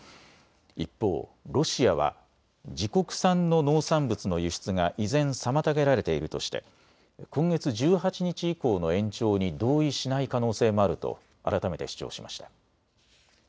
一方、ロシアは自国産の農産物の輸出が依然、妨げられているとして今月１８日以降の延長に同意しない可能性もあると改めて主張しました。